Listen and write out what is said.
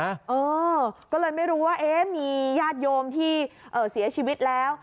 เออก็เลยไม่รู้ว่าเอ๊ะมีญาติโยมที่เสียชีวิตแล้ว